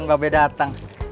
mbak be dateng